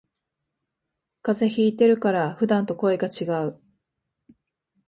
風邪ひいてるから普段と声がちがう